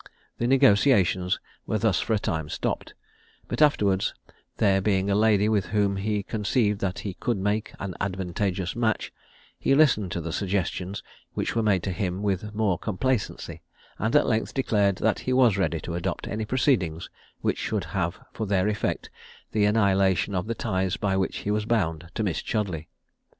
The negociations were thus for a time stopped; but afterwards, there being a lady with whom he conceived that he could make an advantageous match, he listened to the suggestions which were made to him with more complacency, and at length declared that he was ready to adopt any proceedings which should have for their effect the annihilation of the ties by which he was bound to Miss Chudleigh.